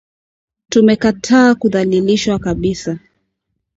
Tumekataa kudhalilishwa kabisa